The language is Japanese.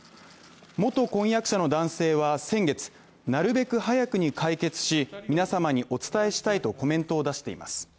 元婚約者の男性は先月、なるべく早くに解決し、皆様にお伝えしたいとコメントを出しています